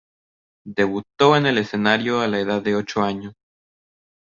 Debutó en el escenario a la edad de ocho años.